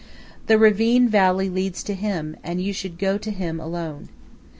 The ravine valley leads to him, and you should go to him alone.